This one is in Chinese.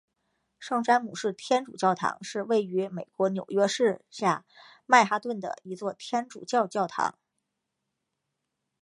圣詹姆士天主教堂是位于美国纽约市下曼哈顿的一座天主教教堂。